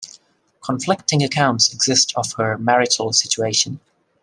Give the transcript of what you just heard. Conflicting accounts exist of her marital situation.